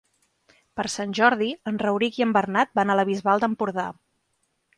Per Sant Jordi en Rauric i en Bernat van a la Bisbal d'Empordà.